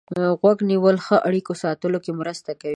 غوږ نیول ښه اړیکو ساتلو کې مرسته کوي.